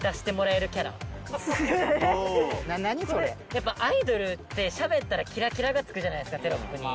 やっぱアイドルってしゃべったらキラキラがつくじゃないですかテロップに。